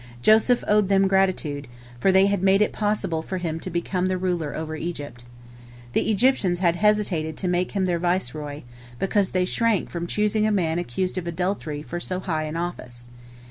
Joseph owed them gratitude, for they had made it possible for him to become the ruler over Egypt. The Egyptians had hesitated to make him their viceroy, because they shrank from choosing a man accused of adultery for so high an office.